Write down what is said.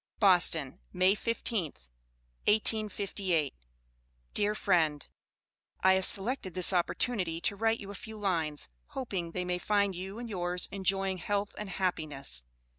BOSTON, May 15th, 1858. DEAR FRIEND: I have selected this oppotunity to write you a few lines, hopeing thay may find you and yours enjoying helth and happiness.